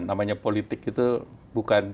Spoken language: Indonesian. namanya politik itu bukan